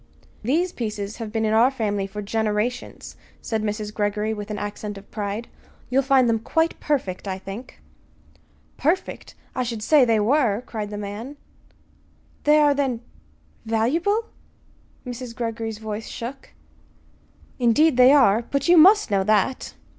"These pieces have been in our family for generations," said Mrs. Greggory with an accent of pride. "You'll find them quite perfect, I think." "Perfect! I should say they were," cried the man. "They are, then valuable?" Mrs. Greggory's voice shook. "Indeed they are! But you must know that."